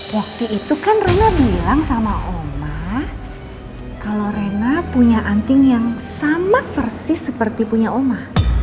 waktu itu kan rena bilang sama oma kalau rena punya anting yang sama persis seperti punya oma